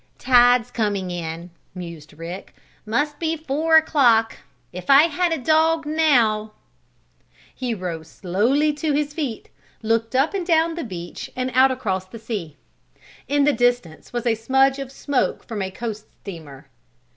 "Tide's coming in!" mused Rick. "Must be four o'clock. If I had a dog now " He rose slowly to his feet, looked up and down the beach and out across the sea. In the distance was a smudge of smoke from a coast steamer.